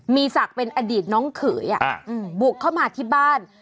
มีศักดิ์เป็นอดีตน้องเขยบุกเข้ามาที่บ้าน